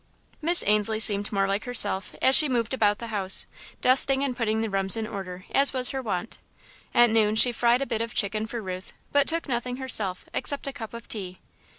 Miss Ainslie seemed more like herself, as she moved about the house, dusting and putting the rooms in order, as was her wont. At noon she fried a bit of chicken for Ruth, but took nothing herself except a cup of tea.